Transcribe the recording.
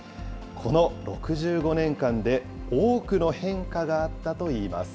この６５年間で、多くの変化があったといいます。